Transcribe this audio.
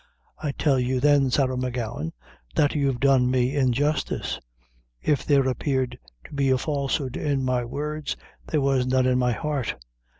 I tell you, then, Sarah M'Gowan, that you've done me injustice. If there appeared to be a falsehood in my words, there was none in my heart."